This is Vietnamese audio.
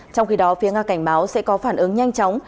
trong khi đó phía nga cảnh báo sẽ có phản ứng nhanh chóng